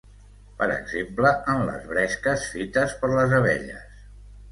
Per exemple, en les bresques fetes per les abelles.